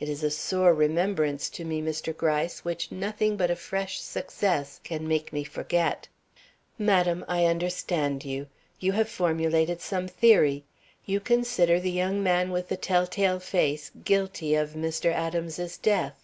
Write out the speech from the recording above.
It is a sore remembrance to me, Mr. Gryce, which nothing but a fresh success can make me forget." "Madam, I understand you. You have formulated some theory. You consider the young man with the tell tale face guilty of Mr. Adams's death.